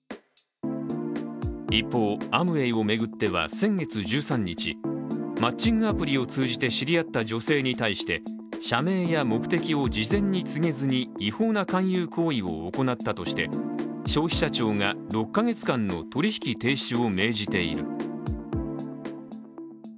一方、アムウェイを巡っては先月１３日マッチングアプリを通じて知り合った女性に対して社名や目的に事前に告げずに違法な勧誘行為を行ったとして消費者庁が６か月間の取引停止を命じている。